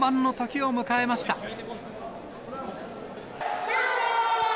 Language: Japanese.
スタート！